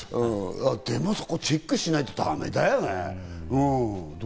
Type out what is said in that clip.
でもそこはチェックしないとだめだよね。